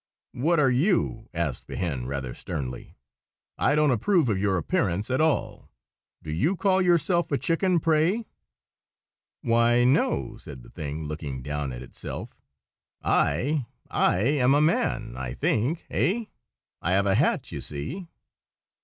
"What are you?" asked the hen, rather sternly. "I don't approve of your appearance at all. Do you call yourself a chicken, pray?" "Why, no," said the thing, looking down at itself. "I—I am a man, I think. Eh? I have a hat, you see."